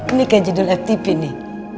ini kayak judul ftp nih